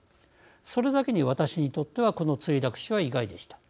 それだけに私にとってはこの墜落死は意外でした。